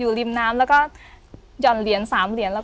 อยู่ริมแม่น้ำแล้วอย่องเหรียญสามเหรียญ